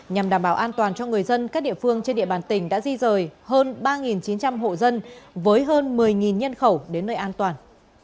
nhằm đảm bảo an toàn cho người dân các địa phương trên địa bàn tỉnh đã di rời hơn ba chín trăm linh hộ dân với hơn một mươi nhân khẩu đến nơi an toàn